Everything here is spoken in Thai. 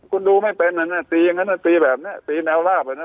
คุณดูไม่เป็นอันนั้นตีแบบนี้ตีแนวราบอันนั้น